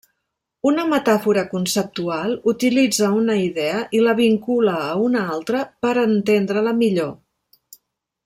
Una metàfora conceptual utilitza una idea i la vincula a una altra per entendre-la millor.